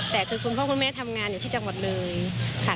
แต่คือคุณพ่อคุณแม่ทำงานอยู่ที่จังหวัดเลยค่ะ